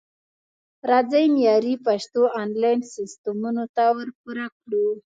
راځئ معیاري پښتو انلاین سیستمونو ته ورپوره کړو